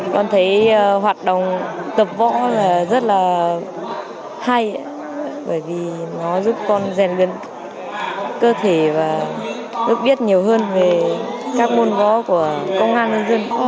con thấy hoạt động tập võ rất là hay bởi vì nó giúp con rèn luyện cơ thể và được biết nhiều hơn về các môn võ của công an nhân dân